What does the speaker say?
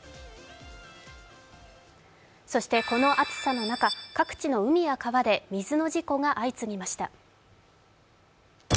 そしてこの暑さの中、各地の海や川で水の事故が相次ぎました。